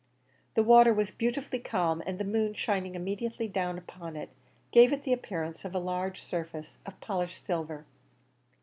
The water was beautifully calm, and the moon shining immediately down upon it, gave it the appearance of a large surface of polished silver.